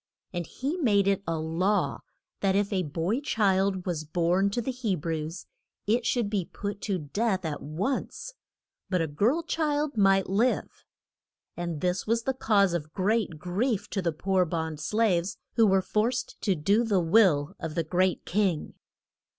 And he made it a law that if a boy child was born to the He brews it should be put to death at once; but a girl child might live. And this was the cause of great grief to the poor bond slaves, who were forced to do the will of the great king.